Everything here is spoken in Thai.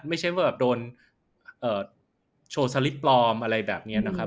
ไม่ใช่ว่าแบบโดนโชว์สลิปปลอมอะไรแบบนี้นะครับ